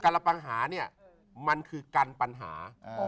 ระปังหาเนี่ยมันคือกันปัญหา